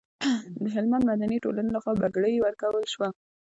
د هلمند مدني ټولنې لخوا بګړۍ ورکول شوه.